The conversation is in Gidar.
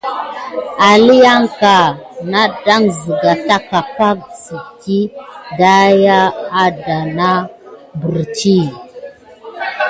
Aliyanka da na ziga taka pay si diy daya adanah beridi.